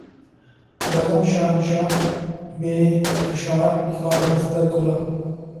بزم شاہنشاہ میں اشعار کا دفتر کھلا